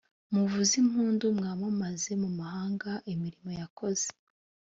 muvuze impundu mwamamaze mu mahanga imirimo yakoze